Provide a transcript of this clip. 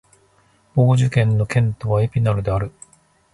ヴォージュ県の県都はエピナルである